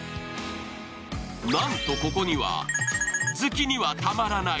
なんとここには○○好きにはたまらない